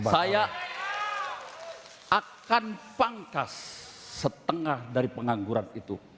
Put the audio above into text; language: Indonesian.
saya akan pangkas setengah dari pengangguran itu